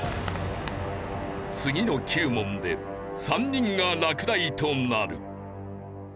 次の９問で３人が落第となる。